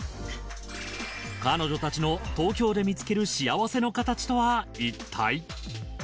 彼女たちの東京で見つける幸せの形とはいったい？